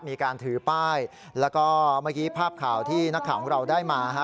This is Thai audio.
มีการถือป้ายแล้วก็เมื่อกี้ภาพข่าวที่นักข่าวของเราได้มาฮะ